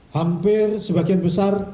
hampir sebagian besar